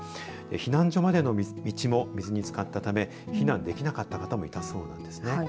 避難所までの道も水につかったため避難できなかった方もいたそうですね。